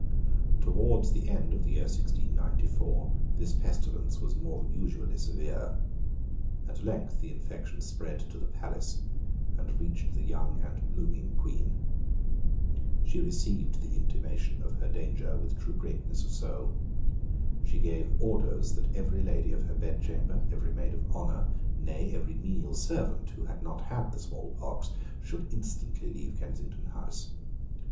Towards the end of the year 1694, this pestilence was more than usually severe. At length the infection spread to the palace, and reached the young and blooming Queen. She received the intimation of her danger with true greatness of soul. She gave orders that every lady of her bedchamber, every maid of honour, nay, every menial servant, who had not had the small pox, should instantly leave Kensington House.